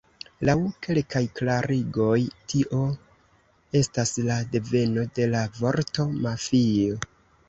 Laŭ kelkaj klarigoj tio estas la deveno de la vorto "mafio".